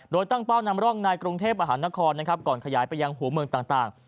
โดยตั้งเป้านำร่องในกรุงเทพมหานครก่อนขยายไปยังหัวเมืองต่าง